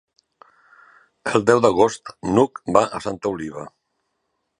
El deu d'agost n'Hug va a Santa Oliva.